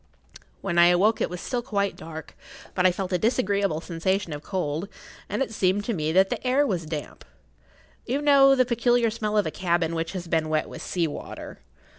When I awoke it was still quite dark, but I felt a disagreeable sensation of cold, and it seemed to me that the air was damp. You know the peculiar smell of a cabin which has been wet with sea water.